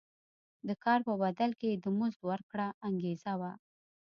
د کار په بدل کې د مزد ورکړه انګېزه وه.